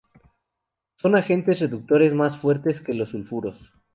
Son agentes reductores más fuertes que los sulfuros.